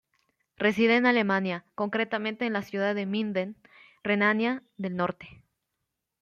Reside en Alemania, concretamente en la ciudad de Minden, Renania del Norte.